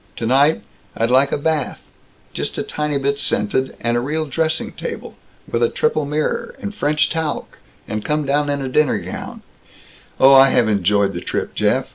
Tonight, I'd like a bath, just a tiny bit scented, and a real dressing table with a triple mirror, and French talc, and come down in a dinner gown Oh, I have enjoyed the trip, Jeff.